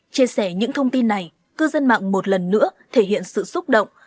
chia sẻ những thông tin này cư dân mạng một lần nữa thể hiện sự xúc động